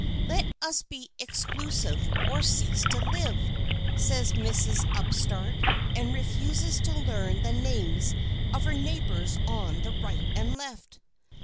"Let us be exclusive or cease to live!" says Mrs. Upstart, and refuses to learn the names of her neighbors on the right and left.